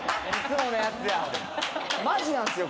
マジなんすよ